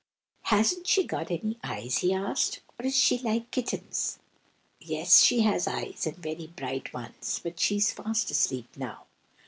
"Hasn't she got any eyes?" he asked. "Or is she like kittens?" "Yes; she has eyes, and very bright ones, but she is fast asleep now."